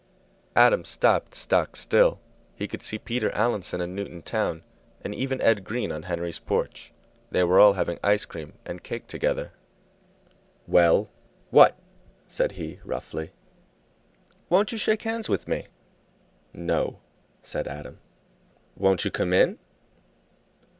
Adam stopped, stock still. He could see Peter Allinson and Newton Towne, and even Ed Green, on Henry's porch. They were all having ice cream and cake together. "Well, what?" said he, roughly. "Won't you shake hands with me?" "No," said Adam. "Won't you come in?"